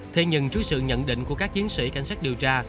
thế nhưng trước sự nhận định của các chiến sĩ cảnh sát điều tra